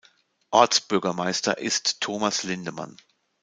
Ortsbürgermeister ist Thomas Lindemann.